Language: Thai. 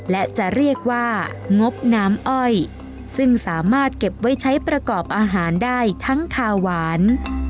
และจะเรียกว่างบน้ำอ้อยซึ่งสามารถเก็บไว้ใช้ประกอบอาหารได้ทั้งคาหวาน